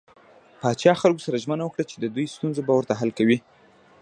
پاچا خلکو سره ژمنه وکړه چې د دوي ستونزې به ورته حل کوي .